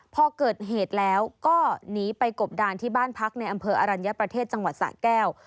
พอเกิดเหตุแล้วก็หนีไปกบดานที่บ้านพักในอำเภออรัญญประเทศจังหวัดสะแก้ว